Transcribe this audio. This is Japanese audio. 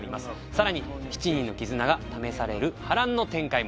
更に７人の絆が試される波乱の展開も。